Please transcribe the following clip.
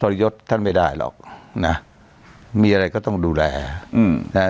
ทุรยุทธ์ท่านไม่ได้หรอกนะมีอะไรก็ต้องดูแรงอือ